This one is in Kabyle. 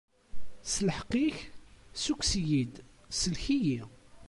S lḥeqq-ik, ssukkes-iyi-d, sellek-iyi!